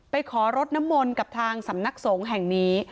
ขอรดน้ำมนต์กับทางสำนักสงฆ์แห่งนี้